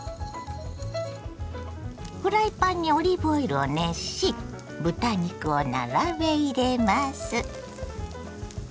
フライパンにオリーブオイルを熱し豚肉を並べ入れます。